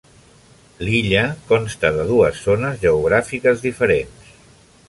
L'illa consta de dues zones geogràfiques diferents.